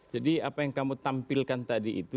jadi apa yang kamu tampilkan tadi itu